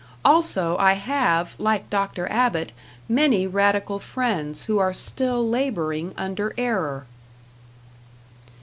Also I have, like Dr. Abbott, many radical friends who are still laboring under error.